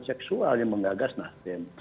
seksual yang menggagas nasdem